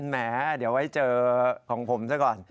แหมเดี๋ยวไว้เจอของผมซะก่อน